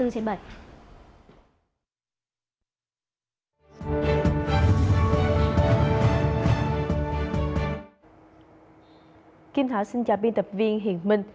kim thảo xin chào biên tập viên hiền minh